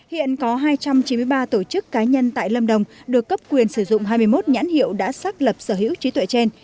hiện có hai trăm chín mươi ba tổ chức cá nhân tại lâm đồng được cấp quyền sử dụng hai mươi một nhãn hiệu đã xác lập sở hữu trí tuệ trên